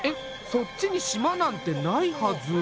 そっちに島なんてないはず。